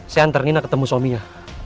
saya antar nina ketemu suaminya